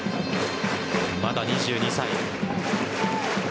まだ２２歳。